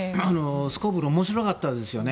すこぶる面白かったですよね。